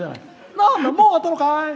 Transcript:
「なんだ、もう終わったのかい？